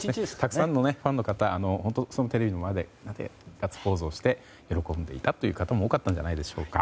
たくさんのファンの方テレビの前でガッツポーズをして喜んでいたという方も多かったんじゃないでしょうか。